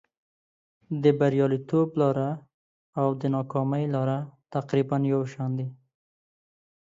د بریالیتوب لاره او د ناکامۍ لاره تقریبا یو شان دي.